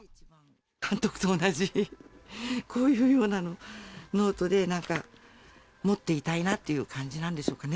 監督と同じ、こういうようなの、ノートでなんか、持っていたいなっていう感じなんでしょうかね。